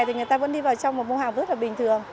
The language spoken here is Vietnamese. thì người ta vẫn đi vào trong một mua hàng rất là bình thường